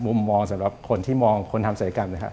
มุมมองสำหรับคนที่มองคนทำศัยกรรมนะครับ